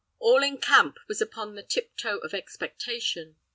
All in camp was upon the "tip toe of expectation."